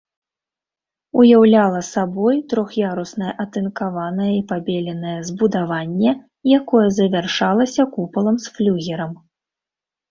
Уяўляла сабой трох'яруснае атынкаванае і пабеленае збудаванне, якое завяршалася купалам з флюгерам.